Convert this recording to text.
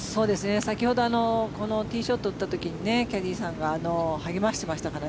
先ほどこのティーショットを打った時にキャディーさんが励ましてましたから。